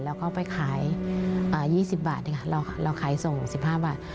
แล้วก็ไปขาย๒๐บาทเราขายส่ง๑๕บาท